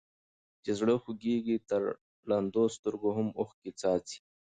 چي زړه خوږيږي تر ړندو سترګو هم اوښکي څڅيږي.